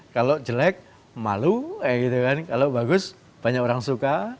kalau jelek malu kalau bagus banyak orang suka